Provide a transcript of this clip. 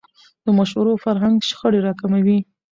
د مشورو فرهنګ شخړې راکموي